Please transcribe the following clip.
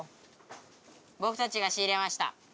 ぼくたちが仕入れました。